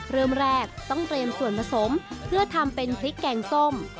เริ่มแรกต้องเตรียมส่วนผสมเพื่อทำเป็นพริกแกงส้ม